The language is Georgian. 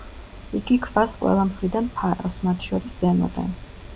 იგი ქვას ყველა მხრიდან ფარავს, მათ შორის ზემოდან.